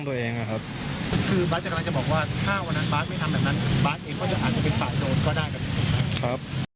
แล้วนี่คิดว่าแค่เกิดอะไรขึ้นคะ